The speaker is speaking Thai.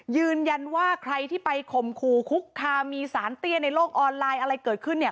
ยืนยันว่าใครที่ไปข่มขู่คุกคามมีสารเตี้ยในโลกออนไลน์อะไรเกิดขึ้นเนี่ย